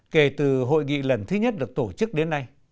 kể từ hội nghị lần thứ nhất được tổ chức đến nay